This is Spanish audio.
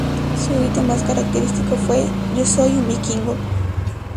Su grito más característico fue "¡Yo soy un vikingo!